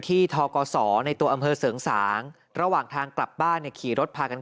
ทกศในตัวอำเภอเสริงสางระหว่างทางกลับบ้านเนี่ยขี่รถพากัน